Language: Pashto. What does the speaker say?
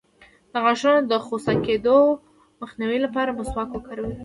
د غاښونو د خوسا کیدو مخنیوي لپاره مسواک وکاروئ